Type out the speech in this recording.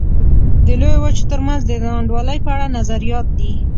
د لویو وچو ترمنځ د نا انډولۍ په اړه نظریات دي.